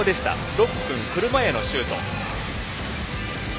６分、車屋のシュート。